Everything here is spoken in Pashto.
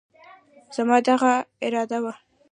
زما دغه اراده وه،